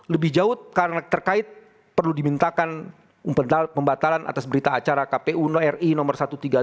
lebih jauh karena terkait perlu dimintakan pembatalan atas berita acara kpu ri no satu ratus tiga puluh